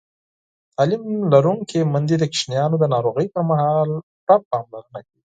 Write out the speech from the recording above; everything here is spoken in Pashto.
تعلیم لرونکې میندې د ماشومانو د ناروغۍ پر مهال پوره پاملرنه کوي.